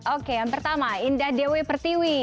oke yang pertama indah dewi pertiwi